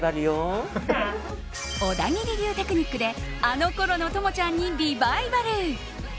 小田切流テクニックであのころの朋ちゃんにリバイバル。